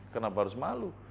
kenapa harus malu